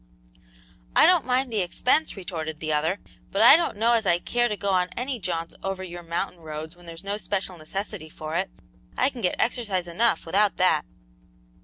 "I don't mind the expense," retorted the other, "but I don't know as I care to go on any jaunts over your mountain roads when there's no special necessity for it; I can get exercise enough without that."